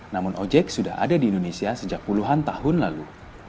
namun ojek sudah ada di indonesia sejak puluhan tahun lalu